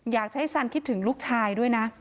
อยากให้สันคิดถึงลูกชายด้วยนะ